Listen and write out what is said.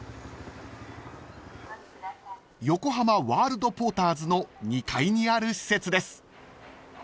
［横浜ワールドポーターズの２階にある施設です］